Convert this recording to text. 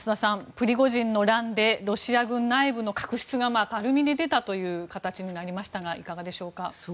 プリゴジンの乱でロシア軍内部の確執が明るみに出たという形になりましたがいかがでしょうか。